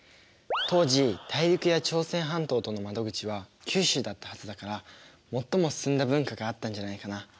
当時大陸や朝鮮半島との窓口は九州だったはずだから最も進んだ文化があったんじゃないかな？